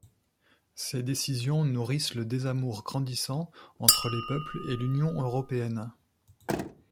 Ces décisions nourrissent le désamour grandissant entre les peuples et l'Union européenne.